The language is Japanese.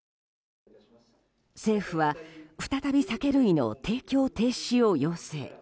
政府は、再び酒類の提供停止を要請。